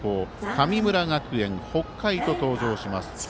神村学園、北海が登場します。